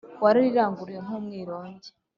warariranguruye nk’umwirongi